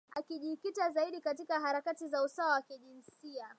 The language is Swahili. Akijikita zaidi katika harakati za usawa wa kijinsia